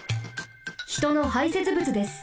ひとの排せつ物です。